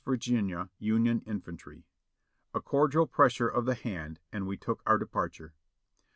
Va. (Union) Infantry. A cordial pressure of the hand and we took our departure.